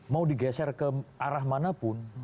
mau digeser ke arah manapun